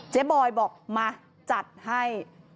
บอยบอกมาจัดให้